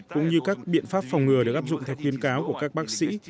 cũng như các biện pháp phòng ngừa được áp dụng theo khuyến cáo của các bác sĩ